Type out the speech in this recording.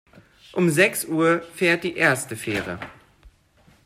Um sechs Uhr fährt die erste Fähre.